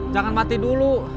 jangan mati dulu